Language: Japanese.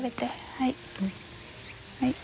はい。